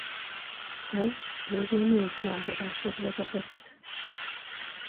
Ez végül nyílt lázadáshoz vezetett.